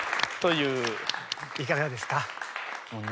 いかがですか？